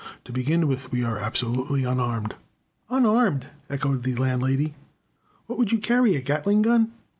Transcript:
To begin with we are absolutely unarmed." "Unarmed?" echoed the Landlady. "What would you carry, a Gatling gun?"